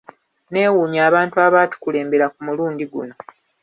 Nneewuunya abantu abatukulembera ku mulundi guno.